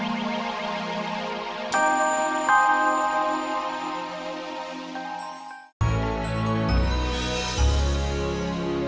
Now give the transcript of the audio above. nah mah kayaknya bronuniversal